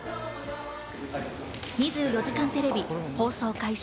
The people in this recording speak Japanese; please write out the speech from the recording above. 『２４時間テレビ』放送開始